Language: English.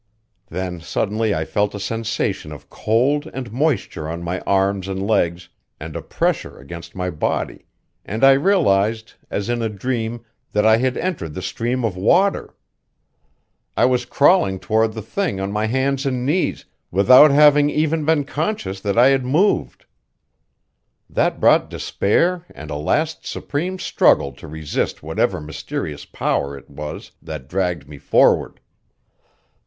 Then suddenly I felt a sensation of cold and moisture on my arms and legs and a pressure against my body, and I realized, as in a dream, that I had entered the stream of water! I was crawling toward the thing on my hands and knees, without having even been conscious that I had moved. That brought despair and a last supreme struggle to resist whatever mysterious power it was that dragged me forward.